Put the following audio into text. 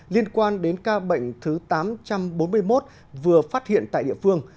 liên quan đến ca bệnh thứ tám trăm bốn mươi một vừa phát hiện tại địa phương